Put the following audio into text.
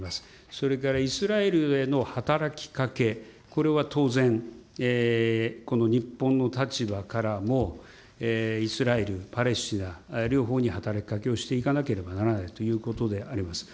それからイスラエルへの働きかけ、これは当然、この日本の立場からも、イスラエル、パレスチナ、両方に働きかけをしていかなければならないということであります。